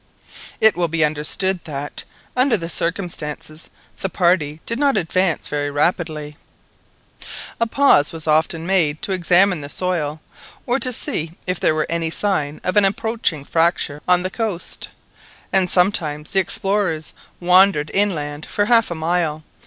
It will be understood that, under the circumstances, the party did not advance very rapidly. A pause was often made to examine the soil, or to see if there were any sign of an approaching fracture on the coast, and sometimes the explorers wandered inland for half a mile.